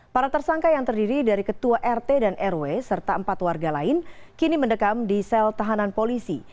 para tersangka yang terdiri dari ketua rt dan rw serta empat warga lain kini mendekam di sel tahanan polisi